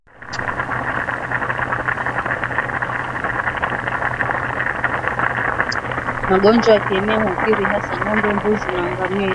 magonjwa ya kieneo ambayo huathiri hasa ngombe kondoo mbuzi na ngamia